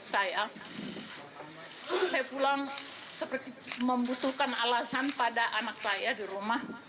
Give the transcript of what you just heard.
saya pulang seperti membutuhkan alasan pada anak saya di rumah